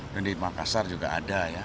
dan di makassar juga ada ya